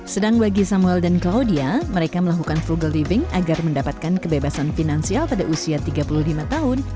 sedang bagi samuel dan claudia mereka melakukan frugal living agar mendapatkan kebebasan finansial pada usia tiga puluh lima tahun